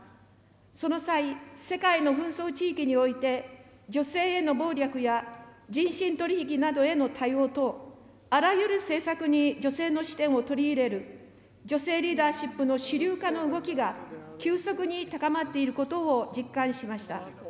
その際、世界の紛争地域において、女性への暴力や人身取り引きなどへの対応等、あらゆる政策に女性の視点を取り入れる、女性リーダーシップの主流化の動きが、急速に高まっていることを実感しました。